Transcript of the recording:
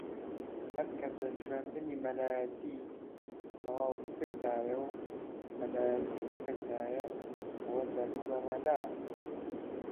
ھەر کەسێک خوێندنی مەلایەتی تەواو بکردایە و مەلایەتی بکردایە ئەوە دەبوو بە مەلا